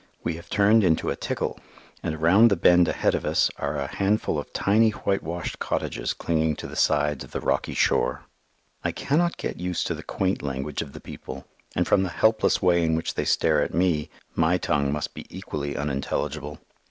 We have turned into a "tickle," and around the bend ahead of us are a handful of tiny whitewashed cottages clinging to the sides of the rocky shore. I cannot get used to the quaint language of the people, and from the helpless way in which they stare at me, my tongue must be equally unintelligible.